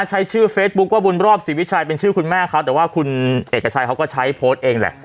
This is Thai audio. ใช้ชื่อเฟซบุ๊คว่าบุญรอบศรีวิชัยเป็นชื่อคุณแม่เขาแต่ว่าคุณเอกชัยเขาก็ใช้โพสต์เองแหละ